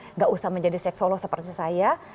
enggak usah menjadi seks solo seperti saya